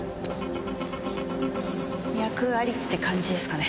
脈ありって感じですかね。